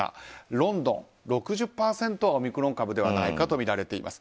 ロンドン、６０％がオミクロン株ではないかとみられています。